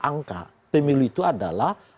angka pemilu itu adalah